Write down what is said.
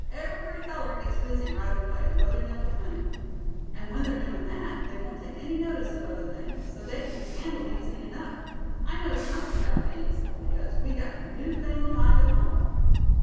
Every feller gets busy right away, loading up with honey. And when they're doing that, they won't take any notice of other things, so they c'n be handled easy enough. I know somethin' 'bout bees, because we got a new fangled hive at home."